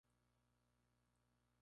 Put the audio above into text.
Tiene andenes a ambos lados.